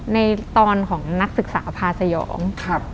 ในตอนของนักศึกษาพาสยอง